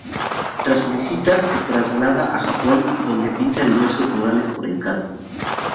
Tras su visita, se traslada a Japón, donde pinta diversos murales por encargo.